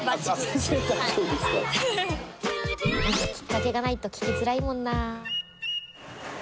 きっかけがないと聞きづらいもんな。